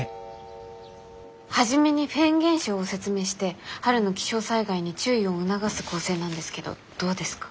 初めにフェーン現象を説明して春の気象災害に注意を促す構成なんですけどどうですか？